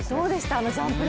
あのジャンプ力。